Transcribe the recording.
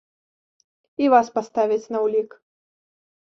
І вас паставяць на ўлік.